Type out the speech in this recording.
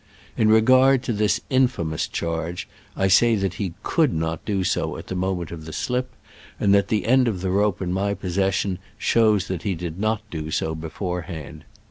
In re gard to this infamous charge, I say that he could not do so at the moment of the slip, and that the end of the rope in my possession shows that he did not do so beforehand.